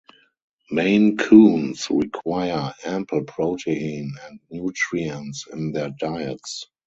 Maine Coons require ample protein and nutrients in their diets.